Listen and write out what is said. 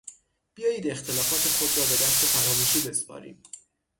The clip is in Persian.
بیایید اختلافات خود را به دست فراموشی بسپاریم.